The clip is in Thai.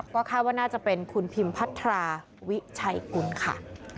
ก็คาดว่าน่าจะเป็นคุณพิมพัทราวิชัยกุลค่ะ